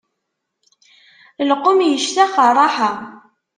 Lqum yectaq rraḥa.